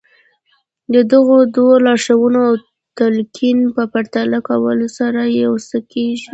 د دغو دوو لارښوونو او تلقين په پرتله کولو سره يو څه کېږي.